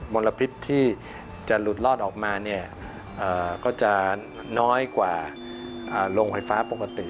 ลพิษที่จะหลุดลอดออกมาเนี่ยก็จะน้อยกว่าโรงไฟฟ้าปกติ